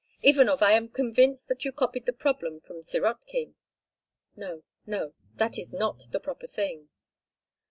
"Ivanov, I am convinced that you copied the problem from Sirotkin." No, no, that is not the proper thing.